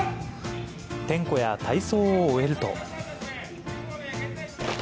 点呼や体操を終えると。